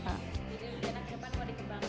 jadi di depan mau dikembangkan